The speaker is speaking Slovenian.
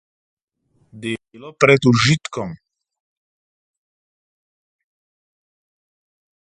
Delo pred užitkom.